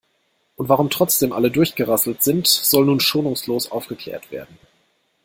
Und warum trotzdem alle durchgerasselt sind, soll nun schonungslos aufgeklärt werden.